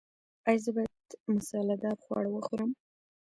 ایا زه باید مساله دار خواړه وخورم؟